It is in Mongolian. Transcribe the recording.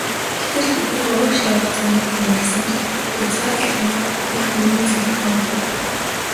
Гэтэл бидний урагш явах замыг хөндөлсөн хязгаарлах мэт их мөрөн цэлийн харагдав.